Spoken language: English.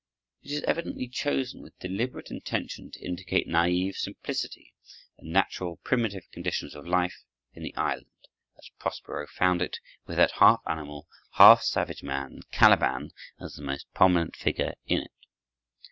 It is evidently chosen with deliberate intention to indicate naïve simplicity and natural primitive conditions of life in the island, as Prospero found it, with that half animal, half savage man, Caliban, as the most prominent figure in it.